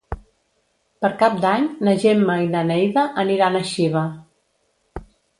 Per Cap d'Any na Gemma i na Neida aniran a Xiva.